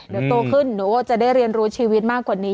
เดี๋ยวโตขึ้นหนูก็จะได้เรียนรู้ชีวิตมากกว่านี้